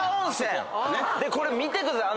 でこれ見てください。